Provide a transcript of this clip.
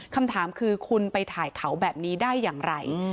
คำถามคือคุณไปถ่ายเขาแบบนี้ได้อย่างไร